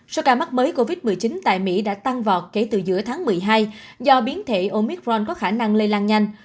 số ca mắc mới covid một mươi chín tại mỹ đã tăng vọt kể từ giữa tháng một mươi hai do biến thể omithron có khả năng lây lan nhanh